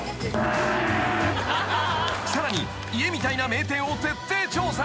［さらに家みたいな名店を徹底調査］